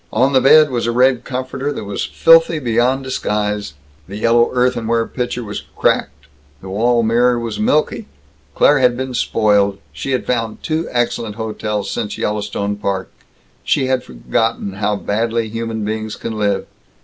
On the bed was a red comforter that was filthy beyond disguise. The yellow earthenware pitcher was cracked. The wall mirror was milky. Claire had been spoiled. She had found two excellent hotels since Yellowstone Park. She had forgotten how badly human beings can live.